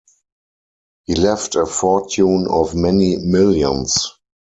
He left a fortune of many millions.